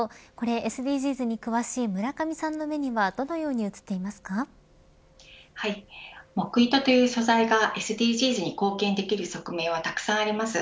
ＳＤＧｓに詳しい村上さんの目にはどのように木糸という素材がＳＤＧｓに貢献できる側面はたくさんあります。